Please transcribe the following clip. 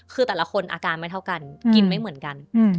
คือแต่ละคนอาการไม่เท่ากันกินไม่เหมือนกัน